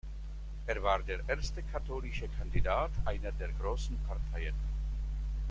Er war der erste katholische Kandidat einer der großen Parteien.